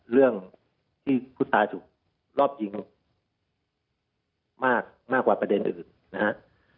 เรื่องที่ผู้ตายถูกรอบยิงมากกว่าประเด็นอื่นนะฮะ